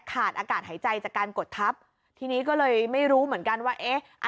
ขาดอากาศหายใจจากการกดทับทีนี้ก็เลยไม่รู้เหมือนกันว่าเอ๊ะ